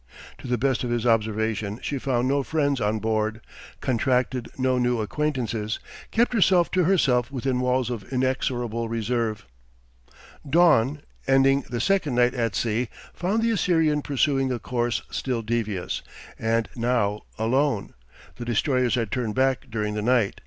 To the best of his observation she found no friends on board, contracted no new acquaintances, kept herself to herself within walls of inexorable reserve. Dawn, ending the second night at sea, found the Assyrian pursuing a course still devious, and now alone; the destroyers had turned back during the night.